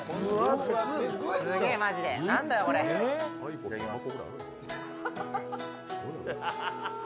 いただきます。